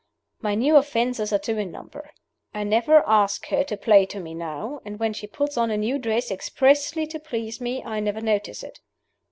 "My new offenses are two in number: I never ask her to play to me now; and when she puts on a new dress expressly to please me, I never notice it.